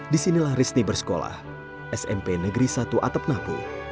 di sinilah risni bersekolah smp negeri satu atap napu